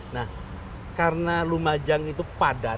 nah karena lumajang itu padat